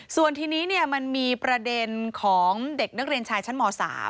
ส่วนทีนี้มันมีประเด็นของเด็กนักเรียนชายชั้นม๓